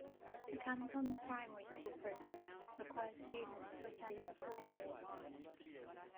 The canton's primary school program requires students to attend for four years.